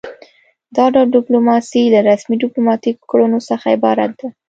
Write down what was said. دا ډول ډیپلوماسي له رسمي ډیپلوماتیکو کړنو څخه عبارت ده